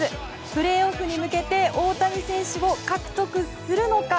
プレーオフに向けて大谷選手を獲得するのか。